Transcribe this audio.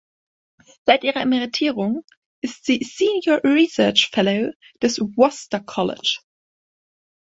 Seit ihrer Emeritierung ist sie "Senior Research Fellow" des Worcester College.